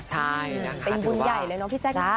ใช่นะคะเป็นบุญใหญ่เลยเนาะพี่แจ้ง